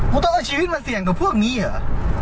คุณต้องเอาชีวิตมาเสี่ยงต่อพวกนี้เหรอ